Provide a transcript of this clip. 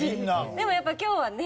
でもやっぱ今日はね